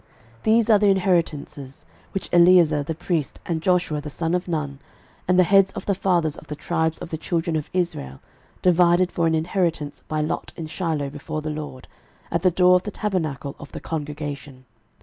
06:019:051 These are the inheritances, which Eleazar the priest, and Joshua the son of Nun, and the heads of the fathers of the tribes of the children of Israel, divided for an inheritance by lot in Shiloh before the LORD, at the door of the tabernacle of the congregation.